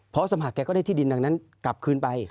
เพราะสมัครแกก็ได้ที่ดินดังนั้นกลับคืนไป